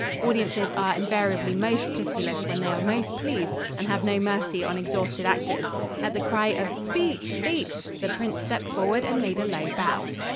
Audiences are invariably most pitiless when they are most pleased, and have no mercy on exhausted actors. At the cry of "Speech! Speech!" the Prince stepped forward and made a low bow.